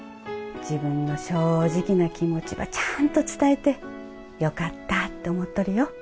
自分の正直な気持ちばちゃんと伝えてよかったって思っとるよ